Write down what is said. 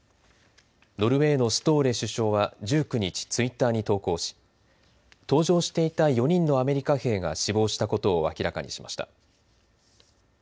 ノルウェーのストーレ首相は１９日、ツイッターに投稿し搭乗していた４人のアメリカ兵が死亡したことを明らかにしました。